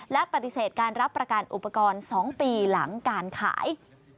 และปฏิเสธการรับประกันอุปกรณ์๒ปีหลังการขาย